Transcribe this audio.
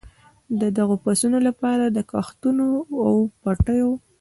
د دغو پسونو لپاره د کښتونو او پټیو.